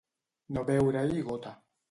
No veure-hi gota.